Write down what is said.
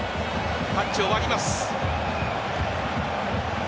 タッチを割ります。